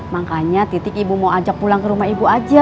makanya titik ibu mau ajak pulang ke rumah ibu aja